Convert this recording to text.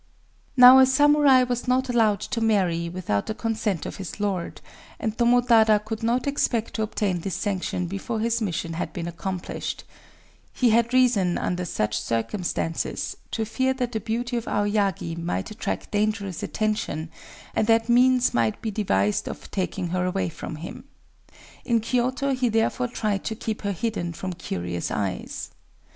_] ...Now a samurai was not allowed to marry without the consent of his lord; and Tomotada could not expect to obtain this sanction before his mission had been accomplished. He had reason, under such circumstances, to fear that the beauty of Aoyagi might attract dangerous attention, and that means might be devised of taking her away from him. In Kyōto he therefore tried to keep her hidden from curious eyes.